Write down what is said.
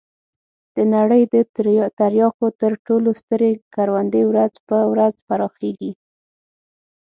د نړۍ د تریاکو تر ټولو سترې کروندې ورځ په ورځ پراخېږي.